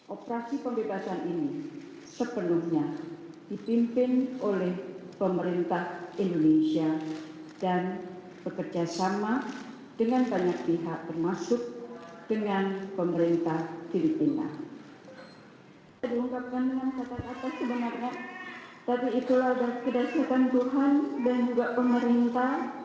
operasi pembebasan ini sepenuhnya dipimpin oleh pemerintah indonesia